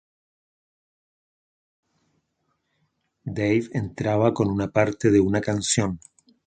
Dave entraba con una parte de una canción.